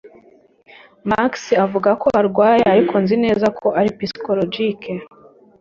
Max avuga ko arwaye, ariko nzi neza ko ari psychologique